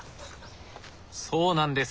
そうなんです。